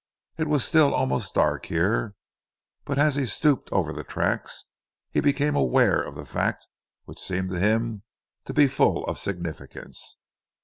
It was still almost dark here, but as he stooped over the tracks, he became aware of the fact which seemed to him to be full of significance.